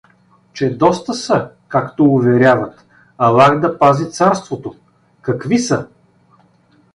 — Че доста са, както уверяват, аллах да пази царството… — Какви са?